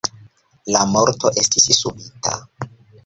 La morto estis subita.